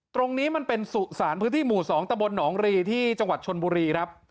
ตรงนี้มันเป็นสุสานพื้นที่หมู่๒ตะบลหนองรีที่จังหวัดชนบุรีครับ